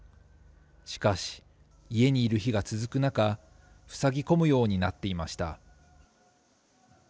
しかし、家にいる日が続く中、ふさぎ込むようになっていました。